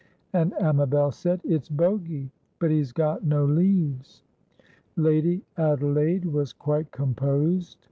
And Amabel said, "It's Bogy; but he's got no leaves." Lady Adelaide was quite composed.